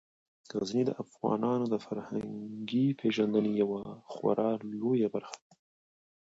غزني د افغانانو د فرهنګي پیژندنې یوه خورا لویه برخه ده.